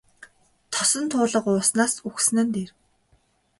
Тосон туулга ууснаас үхсэн нь дээр.